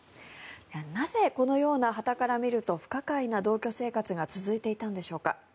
なぜこのようなはたから見ると不可解な同居生活が続いていたのでしょうか。